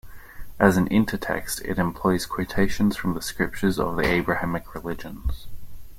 As an intertext, it employs quotations from the scriptures of the Abrahamic religions.